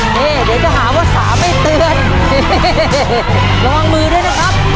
นี่เดี๋ยวจะหาว่าสาไม่เตือนนี่ลองมือด้วยนะครับ